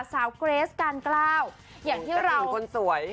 เกรสการกล้าวอย่างที่เราคนสวย